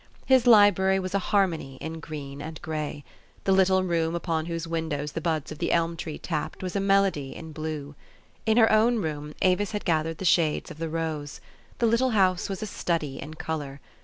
His library was a harmony in green and gray. The little room upon whose windows the buds of the elm tree tapped was a melody in blue. In her own room Avis had gathered the shades of the rose. The little house was a study in color.